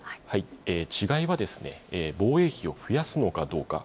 違いは、防衛費を増やすのかどうか。